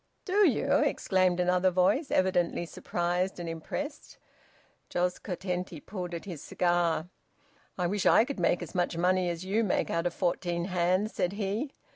"Do you?" exclaimed another voice, evidently surprised and impressed. Jos Curtenty pulled at his cigar. "I wish I could make as much money as you make out of fourteen hands!" said he.